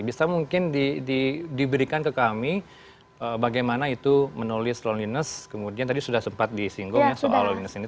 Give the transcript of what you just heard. bisa mungkin diberikan ke kami bagaimana itu menulis loneliness kemudian tadi sudah sempat disinggung ya soal loans ini